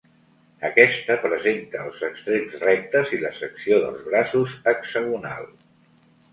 Aquesta presenta els extrems rectes i la secció dels braços hexagonal.